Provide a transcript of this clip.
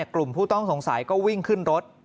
กลุ่มผู้ต้องสงสัยก็วิ่งขึ้นรถ